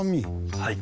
はい。